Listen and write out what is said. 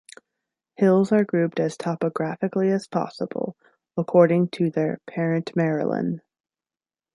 Hills are grouped as topographically as possible, according to their 'parent Marilyn'.